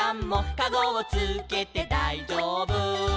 「かごをつけてだいじょうぶ」